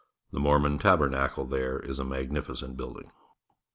The Mormon Tabernacle there is a magnificent buikUng.